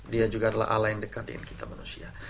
dia juga adalah ala yang dekat dengan kita manusia